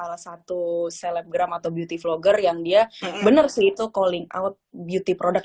salah satu selebgram atau beauty vlogger yang dia bener sih itu calling out beauty product